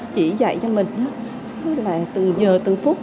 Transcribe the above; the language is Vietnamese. chỉ dạy cho mình là từng giờ từng phút